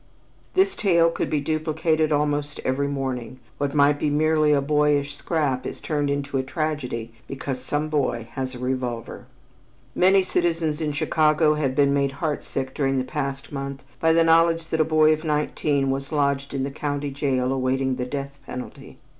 This tale could be duplicated almost every morning; what might be merely a boyish scrap is turned into a tragedy because some boy has a revolver. Many citizens in Chicago have been made heartsick during the past month by the knowledge that a boy of nineteen was lodged in the county jail awaiting the death penalty.